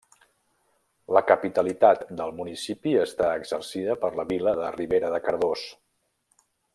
La capitalitat del municipi està exercida per la vila de Ribera de Cardós.